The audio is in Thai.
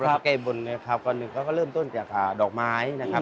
ราวแก้วบนก่อนหนึ่งก็เริ่มต้นกับดอกไม้นะครับ